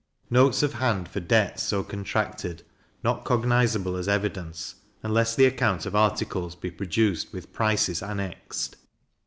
Notes of hand for debts so contracted not cognizable as evidence, unless the account of articles be produced with prices annexed.